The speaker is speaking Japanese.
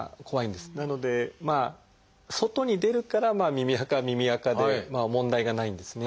なので外に出るから耳あかは耳あかで問題がないんですね。